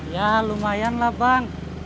ya lumayan lah bang